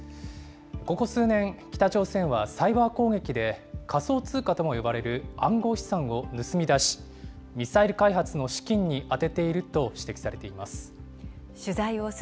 ここ数年、北朝鮮はサイバー攻撃で、仮想通貨とも呼ばれる暗号資産を盗み出し、ミサイル開発の資金に充てていると指摘されています。